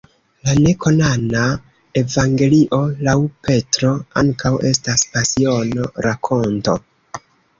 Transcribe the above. La ne-kanona Evangelio laŭ Petro ankaŭ estas Pasiono-rakonto.